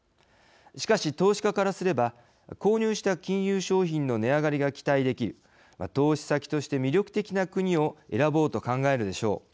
しかし投資家からすれば購入した金融商品の値上がりが期待できる投資先として魅力的な国を選ぼうと考えるでしょう。